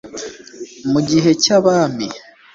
mu gihe cy'abami